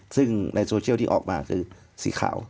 ซึ่งในโซเชียลที่ออกมาคือสีขาว